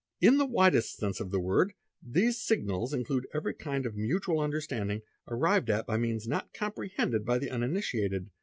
F In the widest sense of the word, these "signals'' include every i of mutual understanding, arrived at by means not comprehended by t uninitiated.